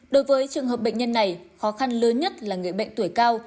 đối với trường hợp bệnh nhân này khó khăn lớn nhất là người bệnh tuổi cao